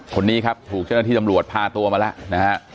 คนนี้ครับถูกเจ้าหน้าที่ตำรวจพาตัวมาแล้วนะฮะ